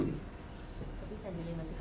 tapi saya jadi ngerti kalau misalnya